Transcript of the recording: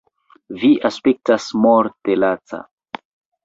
Vi aspektas morte laca.